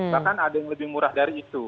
bahkan ada yang lebih murah dari itu